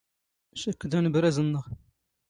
ⵛⴽⴽ ⴷ ⴰⵏⴱⵔⴰⵣ ⵏⵏⵖ.